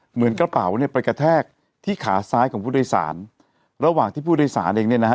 เหมือนกระเป๋าเนี่ยไปกระแทกที่ขาซ้ายของผู้โดยสารระหว่างที่ผู้โดยสารเองเนี่ยนะฮะ